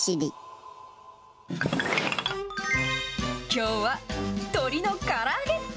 きょうは、鶏のから揚げ。